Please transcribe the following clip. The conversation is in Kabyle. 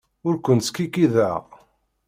Ur kent-skikkiḍeɣ.